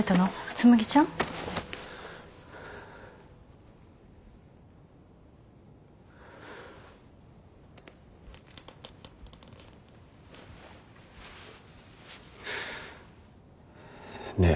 紬ちゃん？ねえ。